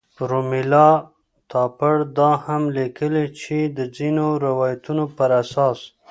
رومیلا تاپړ دا هم لیکلي چې د ځینو روایتونو په اساس.